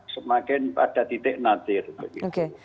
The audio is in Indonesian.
semakin pada titik nanti